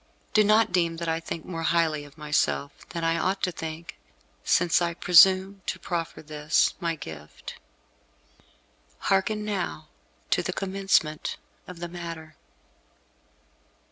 Do not deem that I think more highly of myself than I ought to think, since I presume to proffer this, my gift." Hearken now to the commencement of the matter.